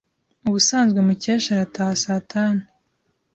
Ubusanzwe Mukesha arataha saa tanu.